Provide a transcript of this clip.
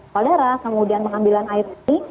kolera kemudian pengambilan air seni